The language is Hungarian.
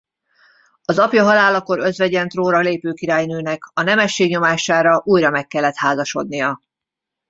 Az apja halálakor özvegyen trónra lépő királynőnek a nemesség nyomására újra meg kellett házasodnia.